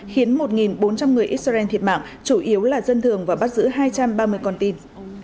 khiến một bốn trăm linh người israel thiệt mạng chủ yếu là dân thường và bắt giữ hai trăm ba mươi con tin